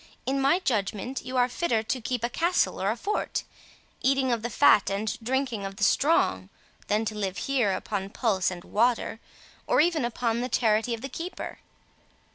In my judgment, you are fitter to keep a castle or a fort, eating of the fat and drinking of the strong, than to live here upon pulse and water, or even upon the charity of the keeper.